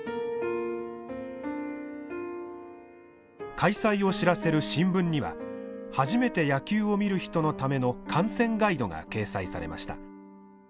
開催を知らせる新聞には初めて野球を見る人のための観戦ガイドが掲載されました。